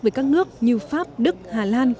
với các nước như pháp đức hà lan